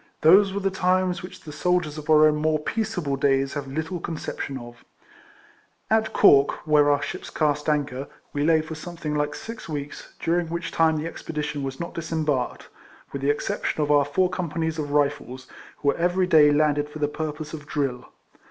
Those were times which the soldiers of our own more peaceable days have little concep tion of At Cork, where our ships cast anchor, we lay for something like six weeks, during which time the expedition was not disem RIFLEMAN HAREIS. 25 barked, with the exception of our four com panies of Rifles, who were every daj^ landed for the purpose of drill.